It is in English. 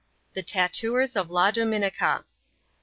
The Tattooen of La Dominica.